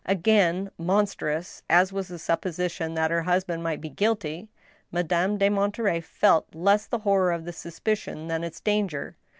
Again, monstrous as was the supposition that her husband might be guilty, Madame de Monterey felt less the horror of the suspicion than its danger.